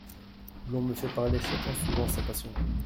L'on me fait parler chacun suivant sa passion.